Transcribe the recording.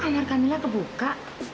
kamar kamila kebuka